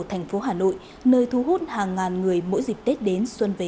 thành phố hà nội nơi thu hút hàng ngàn người mỗi dịp tết đến xuân về